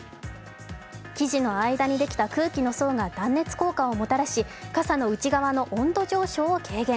生地の間にできた空気の層が断熱効果をもたらし傘の内側の温度上昇を軽減。